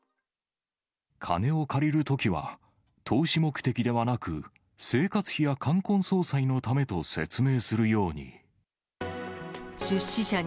金を借りるときは、投資目的ではなく、生活費や冠婚葬祭のためと説明するように。